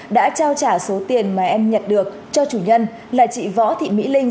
đã trao trả số tiền mà em nhận được cho chủ nhân là chị võ thị mỹ linh